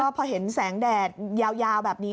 แล้วก็พอเห็นแสงแดดยาวแบบนี้